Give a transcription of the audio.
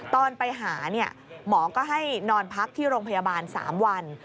ตอนไปหาหมอก็ให้นอนพักที่โรงพยาบาล๓วัน